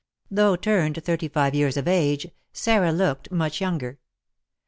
Though turned thirty five years of age, Sarah looked much younger.